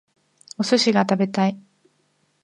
お寿司が食べたい